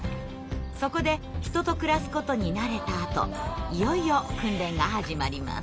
そこで人と暮らすことに慣れたあといよいよ訓練が始まります。